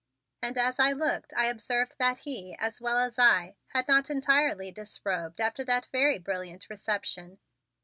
And as I looked I observed that he, as well as I, had not entirely disrobed after that very brilliant reception.